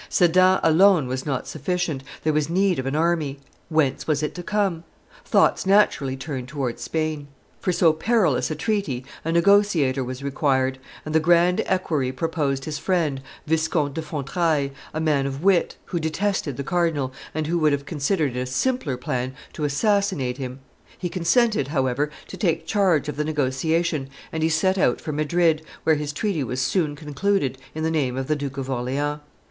Sedan alone was not sufficient; there was need of an army. Whence was it to come? Thoughts naturally turned towards Spain. For so perilous a treaty a negotiator was required, and the grand equerry proposed his friend, Viscount de Fontrailles, a man of wit, who detested the cardinal, and who would have considered it a simpler plan to assassinate him; he consented, however, to take charge of the negotiation, and he set out for Madrid, where his treaty was soon concluded, in the name of the Duke of Orleans.